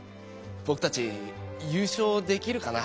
ぼくたちゆうしょうできるかな？